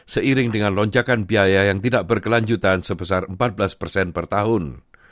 seiring dengan lonjakan biaya yang tidak berkelanjutan sebesar empat belas persen per tahun